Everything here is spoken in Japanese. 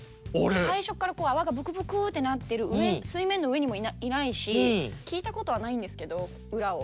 最初っから泡がブクブクってなってる水面の上にもいないし聞いたことはないんですけど裏を。